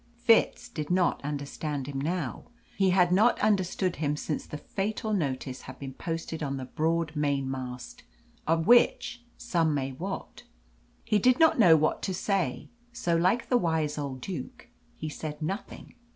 Fitz did not understand him now; he had not understood him since the fatal notice had been posted on the broad mainmast, of which some may wot. He did not know what to say, so, like the wise old Duke, he said nothing.